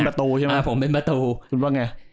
ไปเล่นประตู